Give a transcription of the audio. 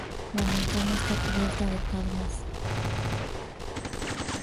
La montaña está cubierta de palmas.